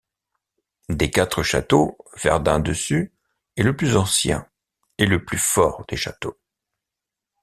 Des quatre châteaux, Verdun-Dessus, est le plus ancien, et le plus fort des châteaux.